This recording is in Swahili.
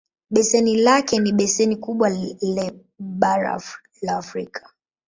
Beseni lake ni beseni kubwa le bara la Afrika.